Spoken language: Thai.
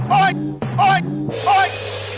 โอ๊ย